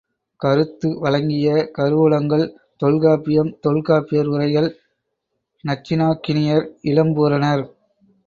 கருத்து வழங்கிய கருவூலங்கள், தொல்காப்பியம் தொல்காப்பியர் உரைகள் நச்சினார்க்கினியர் இளம்பூரணர்.